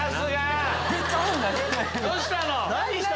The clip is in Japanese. どうしたの？